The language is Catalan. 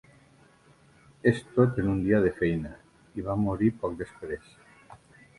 "És tot en un dia de feina" i va morir poc després.